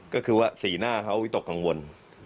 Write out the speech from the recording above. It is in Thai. ก็คือว่าสีหน้าเขาวิตกกังวล